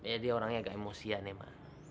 ya dia orangnya agak emosian ya pak